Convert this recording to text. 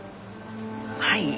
はい。